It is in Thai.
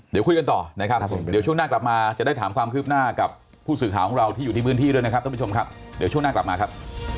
เดี๋ยวคุยกันต่อนะครับเดี๋ยวช่วงหน้ากลับมาจะได้ถามความคืบหน้ากับผู้สื่อข่าวของเราที่อยู่ที่พื้นที่ด้วยนะครับท่านผู้ชมครับเดี๋ยวช่วงหน้ากลับมาครับ